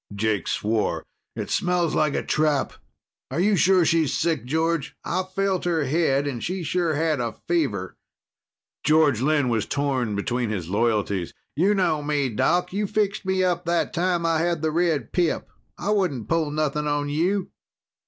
Jake swore. "It smells like a trap. Are you sure she's sick, George?" "I felt her head and she sure had a fever." George Lynn was torn between his loyalties. "You know me, Doc. You fixed me up that time I had the red pip. I wouldn't pull nothing on you."